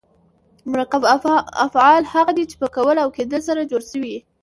مرکب افعال هغه دي، چي په کول او کېدل سره جوړ سوي یي.